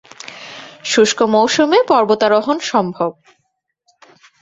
শুষ্ক মৌসুমে পর্বতারোহণ সম্ভব।